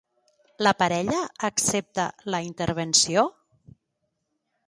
La parella accepta la intervenció?